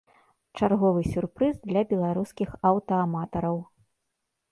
Чарговы сюрпрыз для беларускіх аўтааматараў.